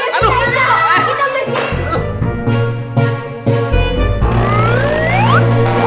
kalau gak juga kita bersihin